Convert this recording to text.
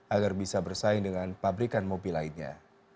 agar bisa bersaing dengan pabrikan mobil lainnya